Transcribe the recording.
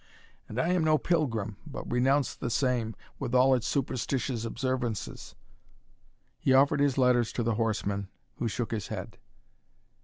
And I am no pilgrim, but renounce the same, with all its superstitious observances." He offered his letters to the horseman, who shook his head.